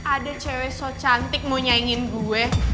ada cewek so cantik mau nyaingin gue